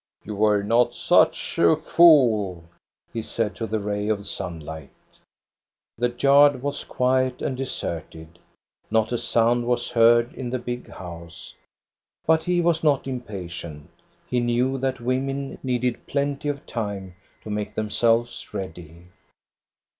" You were not such a fool," he said to the ray of sunlight. The yard was .quiet and deserted. Not a sound 158 THE STORY OF GOSTA BERUNG was heard in the big house.' But he was not impa tient. He knew that women needed plenty of time to make themselves ready.